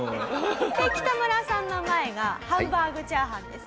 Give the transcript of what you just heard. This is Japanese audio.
北村さんの前がハンバーグチャーハンです。